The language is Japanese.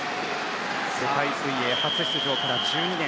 世界水泳初出場から１２年。